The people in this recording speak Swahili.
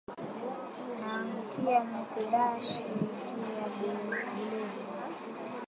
Anaangukiya mu terashe juya bulevi